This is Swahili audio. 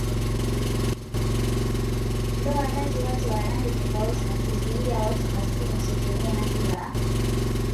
ndoa kati watu wa rangi tofauti na kuzuia watu maskini wasitumie haki za